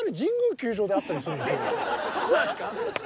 そうなんですか？